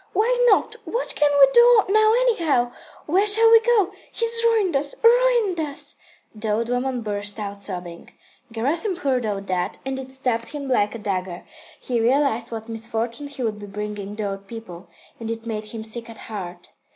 Why not? What can we do now anyhow? Where shall we go? He's ruined us, ruined us." The old woman burst out sobbing. Gerasim heard all that, and it stabbed him like a dagger. He realised what misfortune he would be bringing the old people, and it made him sick at heart.